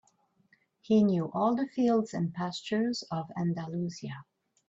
He knew all the fields and pastures of Andalusia.